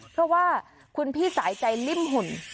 เพราะว่าคุณพี่สายใจริ่มหุ่น